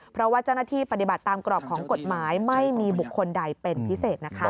เพราะว่าเจ้าหน้าที่ปฏิบัติตามกรอบของกฎหมายไม่มีบุคคลใดเป็นพิเศษนะคะ